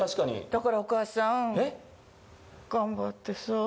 だからお母さん、頑張ってさ。